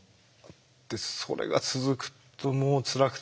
でそれが続くともうつらくて。